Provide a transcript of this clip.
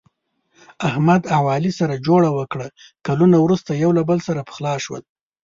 احمد او علي سره جوړه وکړه، کلونه ورسته یو له بل سره پخلا شول.